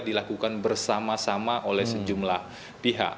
dilakukan bersama sama oleh sejumlah pihak